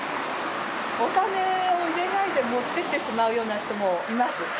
お金を入れないで持っていってしまうような人もいます。